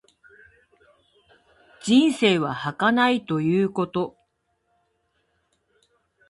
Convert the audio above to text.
人生は儚いということ。